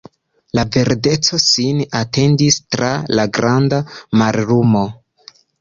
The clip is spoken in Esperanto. Ia verdeco sin etendis tra la granda mallumo.